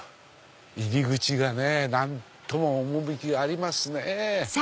入り口が何とも趣がありますね。